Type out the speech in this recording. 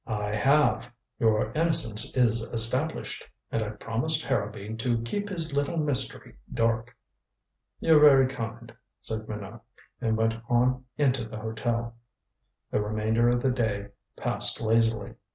"I have. Your innocence is established. And I've promised Harrowby to keep his little mystery dark." "You're very kind," said Minot, and went on into the hotel. The remainder of the day passed lazily.